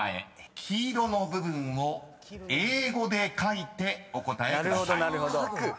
黄色の部分を英語で書いてお答えください］